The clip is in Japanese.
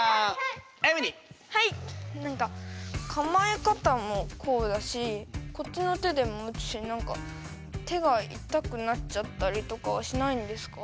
何かかまえ方もこうだしこっちの手でも打つし何か手が痛くなっちゃったりとかはしないんですか？